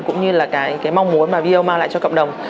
cũng như mong muốn mà vio mang lại cho cộng đồng